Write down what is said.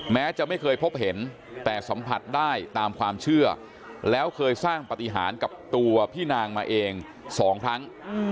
แม้จะไม่เคยพบเห็นแต่สัมผัสได้ตามความเชื่อแล้วเคยสร้างปฏิหารกับตัวพี่นางมาเอง๒ครั้ง